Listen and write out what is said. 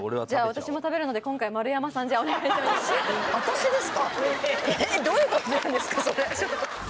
私も食べるので今回丸山さんじゃあお願いします